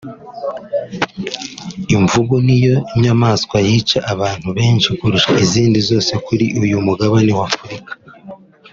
imvubu niyo nyamaswa yica abantu benshi kurusha izindi zose kuri uyu mugabane wa Afurika